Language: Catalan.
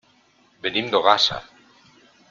Venim d'Ogassa.